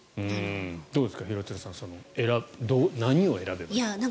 どうですか、廣津留さん何を選べばいいのか。